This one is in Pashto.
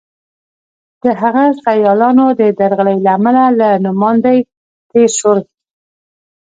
د هغه سیالانو د درغلۍ له امله له نوماندۍ تېر شول.